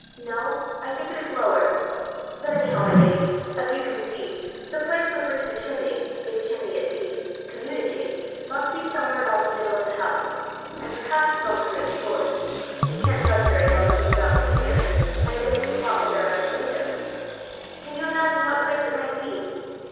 No, I think it is lower! But anyhow, my lady, as you can see, the place with which the chimney, if chimney it be, communicates, must be somewhere about the middle of the house, and perhaps is on the first floor; we can't judge very well looking down from here, and against a spot where are no windows. Can you imagine what place it might be?"